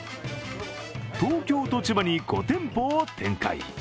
東京と千葉に５店舗を展開。